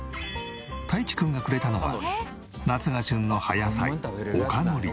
たいちくんがくれたのは夏が旬の葉野菜陸海苔。